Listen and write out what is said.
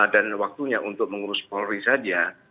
dan waktunya untuk mengurus polri saja